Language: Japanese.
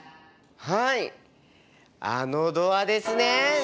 はいあのドアですね。